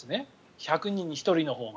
１００人に１人のほうが。